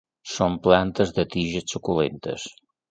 Són plantes de tiges suculentes.